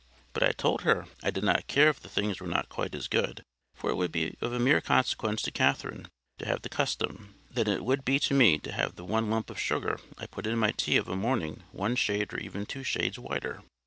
But I told her I did not care if the things were not quite as good; for it would be of more consequence to Catherine to have the custom, than it would be to me to have the one lump of sugar I put in my tea of a morning one shade or even two shades whiter.